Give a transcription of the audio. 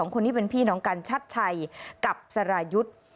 คนที่เป็นพี่น้องกันชัดชัยกับสรายุทธ์